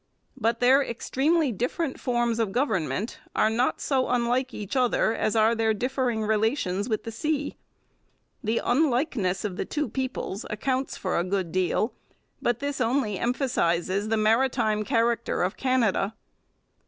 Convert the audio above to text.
But their extremely different forms of government are not so unlike each other as are their differing relations with the sea. The unlikeness of the two peoples accounts for a good deal; but this only emphasizes the maritime character of Canada.